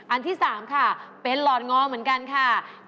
อันที่๓ค่ะเป็นหลอดงอเหมือนกันค่ะ